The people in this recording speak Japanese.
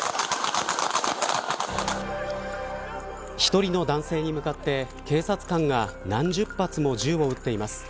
１人の男性に向かって警察官が何十発も銃を撃っています。